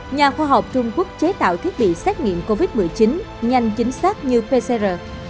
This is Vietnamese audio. nhà khoa học trung quốc chế tạo thiết bị xét nghiệm covid một mươi chín nhanh chính xác như pcr